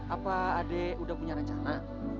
apa adek udah punya rencana